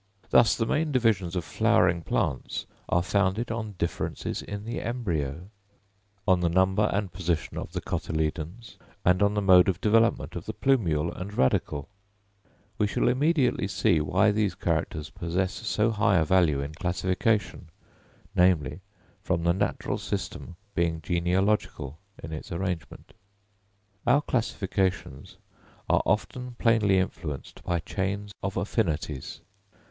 Thus the main divisions of flowering plants are founded on differences in the embryo—on the number and position of the cotyledons, and on the mode of development of the plumule and radicle. We shall immediately see why these characters possess so high a value in classification, namely, from the natural system being genealogical in its arrangement. Our classifications are often plainly influenced by chains of affinities.